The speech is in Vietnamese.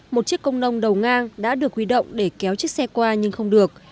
một chiếc công nông đầu ngang đã được huy động để kéo chiếc xe qua nhưng không được